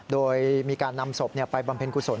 โดยมีการนำศพไปบำเพ็ญกุศล